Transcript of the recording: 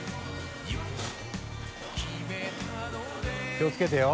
気をつけてよ！